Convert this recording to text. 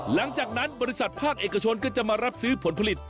หลังจากนั้นบริษัทภาคเอกชนก็จะมารับซื้อผลผลิต